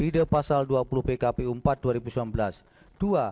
di pasal dua puluh bkpu